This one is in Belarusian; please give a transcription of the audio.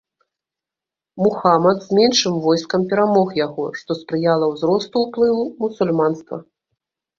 Мухамад з меншым войскам перамог яго, што спрыяла ўзросту ўплыву мусульманства.